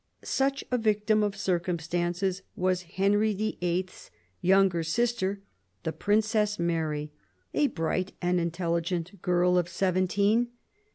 Such a victim of circum stances was Henry VIIL's younger sister, the Princess Mary, a bright and intelligent girl of seventeen.